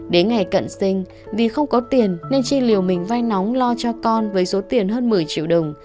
đến ngày cận sinh vì không có tiền nên tri liều mình vay nóng lo cho con với số tiền hơn một mươi triệu đồng